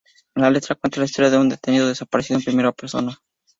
La letra cuenta la historia de un Detenido desaparecido en primera persona.